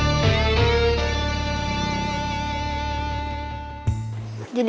ini lagi nyari uang dari tadi pagi